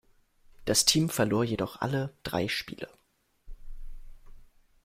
Das Team verlor jedoch alle drei Spiele.